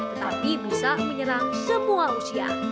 tetapi bisa menyerang semua usia